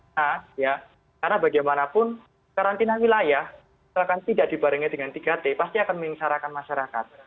nah ya karena bagaimanapun karantina wilayah setelah kan tidak dibarengnya dengan tiga t pasti akan menginsarakan masyarakat